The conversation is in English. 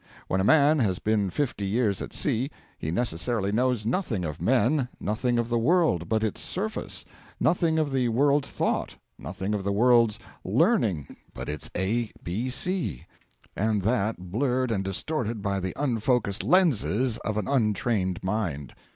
When a man has been fifty years at sea, he necessarily knows nothing of men, nothing of the world but its surface, nothing of the world's thought, nothing of the world's learning but it's A B C, and that blurred and distorted by the unfocussed lenses of an untrained mind.